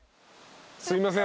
すいません